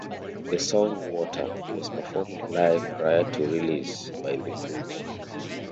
The song "Water" was performed live prior to release by the group.